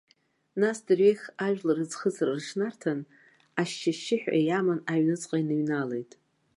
Нас дырҩегьых ажәлар рыӡхыҵра рыҽнарҭан, ашьшьышьшьыҳәа иаман аҩныҵҟа иныҩналеит.